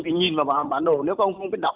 thì nhìn vào bản đồ nếu không không biết đọc